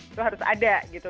itu harus ada gitu